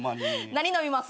何飲みます？